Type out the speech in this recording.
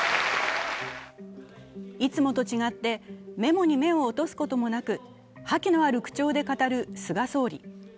いつもと違ってメモに目を落とすこともなく、覇気のある口調で語る菅総理。